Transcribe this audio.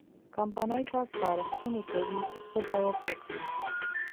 کمپنۍ ته سپارښتنې کوي چې څه باید وکړي.